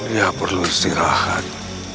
dia perlu istirahat